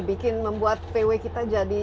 bikin membuat vw kita jadi